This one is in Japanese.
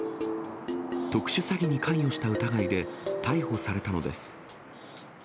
特殊詐欺に関与した疑いで逮捕されたのです。